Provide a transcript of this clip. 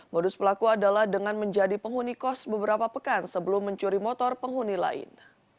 modus pelaku adalah dengan menjadi penghuni kos beberapa pekan sebelum mencuri motor penghuni lain